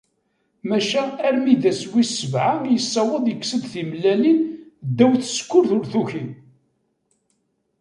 Maca armi d ass wis sebεa i yessaweḍ yekkes-d timellalin ddaw tsekkurt ur tuki.